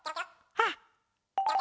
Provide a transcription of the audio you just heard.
あっ！